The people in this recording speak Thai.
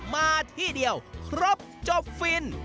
มาที่เดียวครบจบฟิน